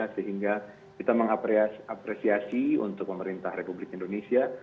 sehingga kita mengapresiasi untuk pemerintah republik indonesia